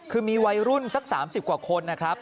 คือมีวัยรุ่นสัก๓๐กว่าคนนะครับ